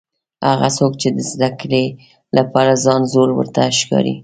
هغه څوک چې د زده کړې لپاره ځان زوړ ورته ښکاري.